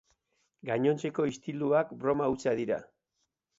Gainontzeko istiluak broma hutsa dira.